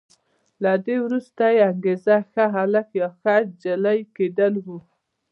له دې وروسته یې انګېزه ښه هلک یا ښه انجلۍ کېدل وي.